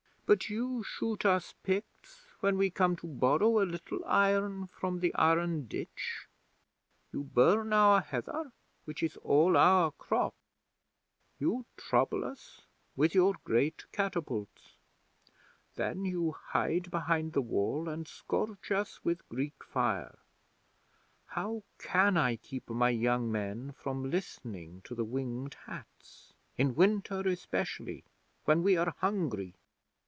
But you shoot us Picts when we come to borrow a little iron from the Iron Ditch; you burn our heather, which is all our crop; you trouble us with your great catapults. Then you hide behind the Wall, and scorch us with Greek fire. How can I keep my young men from listening to the Winged Hats in winter especially, when we are hungry?